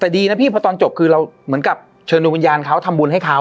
แต่ดีนะพี่เพราะตอนจบคือเราเหมือนกับเชิญดูวิญญาณเขาทำบุญให้เขา